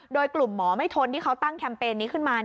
โดยกลุ่มหมอไม่ทนที่เขาตั้งแคมเปญนี้ขึ้นมา